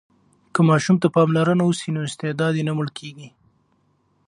که ماشوم ته پاملرنه وسي نو استعداد یې نه مړ کېږي.